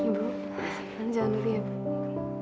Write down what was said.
ibu jangan berhenti ya